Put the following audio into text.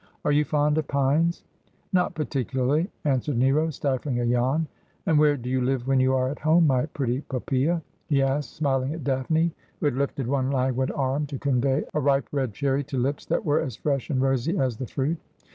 Are you fond of pines ?'' Not particularly,' answered Hero, stifling a yawn. ' And where do you live when you are at home, my pretty Poppsea ?' he asked, smiling at Daphne, who had lifted one languid arm to convey a ripe red cherry to lips that were as fresh and rosy as the fruit.